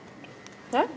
えっ？